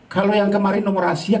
kalau yang kemarin nomor rahasia